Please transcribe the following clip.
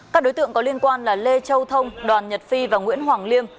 các đối tượng có liên quan là lê châu thông đoàn nhật phi và nguyễn hoàng liêm